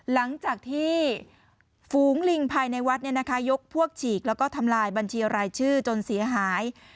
หลังจากที่ฝูงลิงภายในวัดยกพวกฉีกแล้วก็ทำลายบัญชีรายชื่อจนเสียหาย